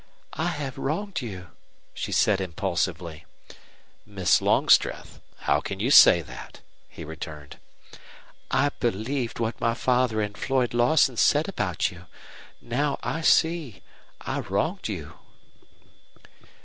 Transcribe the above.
"I have wronged you," she said, impulsively. "Miss Longstreth! How can you say that?" he returned. "I believed what my father and Floyd Lawson said about you. Now I see I wronged you."